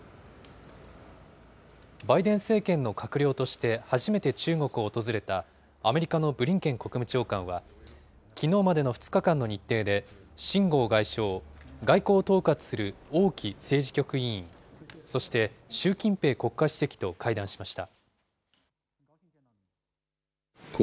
バイデン政権の閣僚として初めて中国を訪れたアメリカのブリンケン国務長官は、きのうまでの２日間の日程で、秦剛外相、外交を統括する王毅政治局委員、そして習近平国家主席と会談しました。